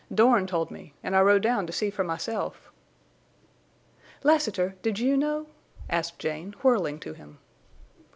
Dorn told me, and I rode down to see for myself." "Lassiter—did you know?" asked Jane, whirling to him.